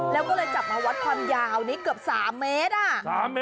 แล้วก็เลยจับมาวัดความยาวนี้เกือบ๓เมตรอะ